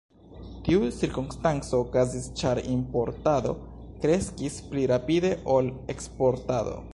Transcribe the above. Tiu cirkonstanco okazis ĉar importado kreskis pli rapide ol eksportado.